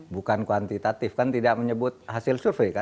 bukan kuantitatif kan tidak menyebut hasil survei kan